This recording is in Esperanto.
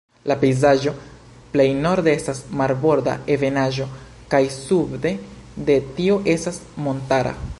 La pejzaĝo plej norde estas marborda ebenaĵo, kaj sude de tio estas montara.